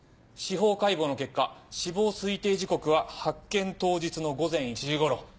司法解剖の結果死亡推定時刻は発見当日の午前１時ごろ。